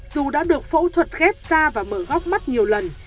dù đã được phẫu thuật ghép da và mở góc mắt nhiều lần